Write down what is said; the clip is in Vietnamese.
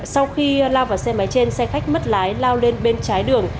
sau khi lao vào xe máy trên xe khách mất lái lao lên bên trái đường